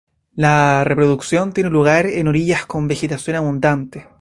La reproducción tiene lugar en orillas con vegetación abundante.